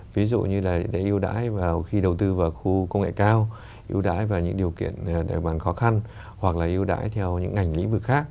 ví dụ như là để ưu đãi vào khi đầu tư vào khu công nghệ cao ưu đãi vào những điều kiện địa bàn khó khăn hoặc là ưu đãi theo những ngành lĩnh vực khác